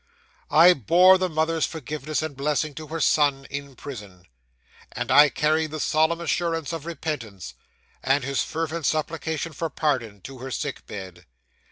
'I bore the mother's forgiveness and blessing to her son in prison; and I carried the solemn assurance of repentance, and his fervent supplication for pardon, to her sick bed.